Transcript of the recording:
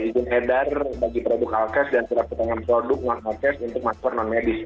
izin edar bagi produk halkes dan terhadap kepentingan produk halkes untuk masker non medis